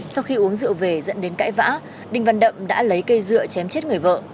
sau khi uống rượu về dẫn đến cãi vã đinh văn đậm đã lấy cây dựa chém chết người vợ